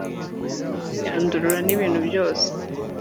yandurura n'ibintu byose